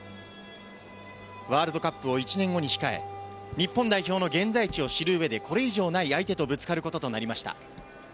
ワールドカップを１年後に控え、日本代表の現在地を知る上で、これ以上ない相手とぶつかることとなりました。